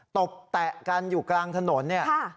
ตบแตะกันอยู่กลางถนนเนี่ย